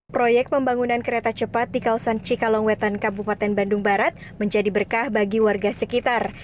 proyek pembangunan kereta cepat di kawasan cikalongwetan kabupaten bandung barat menjadi berkah bagi warga sekitar